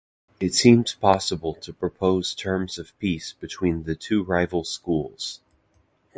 It seems possible to propose terms of peace between the two rival schools.